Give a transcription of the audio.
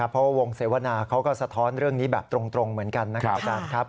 เพราะวงเสวนาเขาก็สะท้อนเรื่องนี้แบบตรงเหมือนกันนะครับอาจารย์ครับ